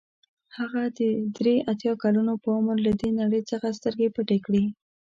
هغه د درې اتیا کلونو په عمر له دې نړۍ څخه سترګې پټې کړې.